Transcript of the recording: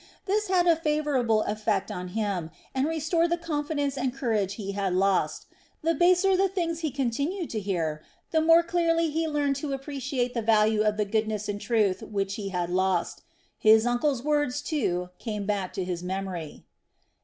This had a favorable effect on him and restored the confidence and courage he had lost. The baser the things he continued to hear, the more clearly he learned to appreciate the value of the goodness and truth which he had lost. His uncle's words, too, came back to his memory.